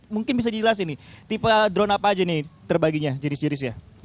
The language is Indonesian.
mungkin bisa dijelasin nih tipe drone apa aja nih terbaginya jenis jenisnya